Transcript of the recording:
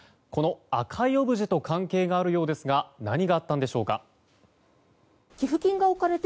この赤いオブジェと関係があるようですが何があったんでしょうか。